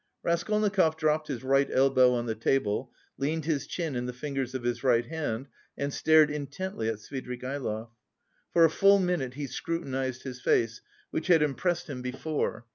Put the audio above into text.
Raskolnikov dropped his right elbow on the table, leaned his chin in the fingers of his right hand, and stared intently at Svidrigaïlov. For a full minute he scrutinised his face, which had impressed him before.